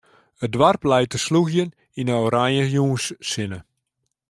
It doarp leit te slûgjen yn 'e oranje jûnssinne.